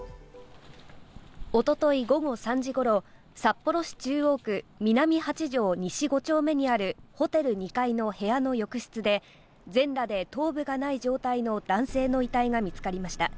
おととい午後３時ごろ、札幌市中央区南８条西５丁目にあるホテル２階の部屋の浴室で、全裸で頭部がない状態の男性の遺体が見つかりました。